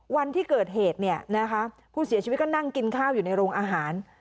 วันที่เกิดเหตุเนี่ยนะคะผู้เสียชีวิตก็นั่งกินข้าวอยู่ในโรงอาหาร